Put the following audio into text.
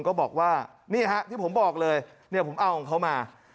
ก็บอกว่านี่ฮะที่ผมบอกเลยเนี่ยผมเอาของเขามา